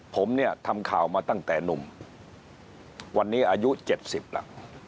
ผมเนี่ยทำข่าวมาตั้งแต่หนุ่มวันนี้อายุ๗๐แล้ว